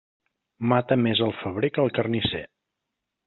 Mata més el febrer que el carnisser.